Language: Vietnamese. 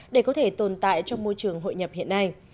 để có thể tồn tại trong môi trường hội nhập hiện nay